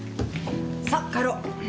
さあ帰ろう。